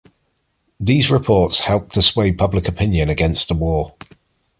These reports helped to sway public opinion against the war.